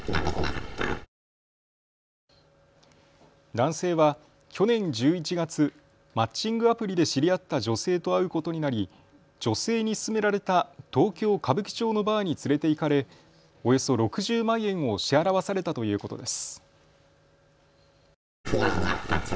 男性は去年１１月、マッチングアプリで知り合った女性と会うことになり女性に勧められた東京歌舞伎町のバーに連れて行かれおよそ６０万円を支払わされたということです。